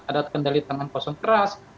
ada kendali tangan kosong keras